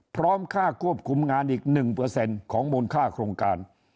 พร้อมค่าควบคุมงานอีก๑ของมูลค่าโครงการ